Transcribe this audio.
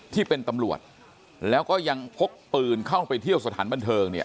ที่เป็นตำรวจแล้วก็ยังพกปืนเข้าไปเที่ยวสถานบันเทิงเนี่ย